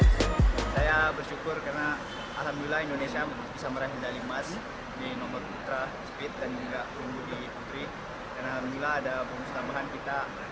saya bersyukur karena alhamdulillah indonesia